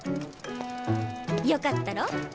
よかったろ？